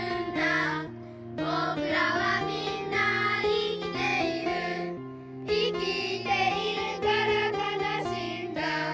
「ぼくらはみんな生きている」「生きているからかなしいんだ」